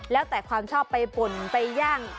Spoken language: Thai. แล้วแต่ความชอบไปป่นไปย่าง